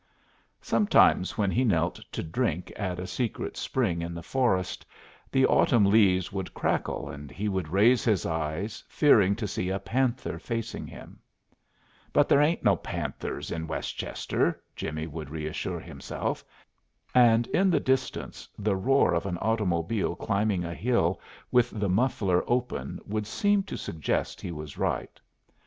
Sometimes when he knelt to drink at a secret spring in the forest, the autumn leaves would crackle and he would raise his eyes fearing to see a panther facing him. "But there ain't no panthers in Westchester," Jimmie would reassure himself. And in the distance the roar of an automobile climbing a hill with the muffler open would seem to suggest he was right.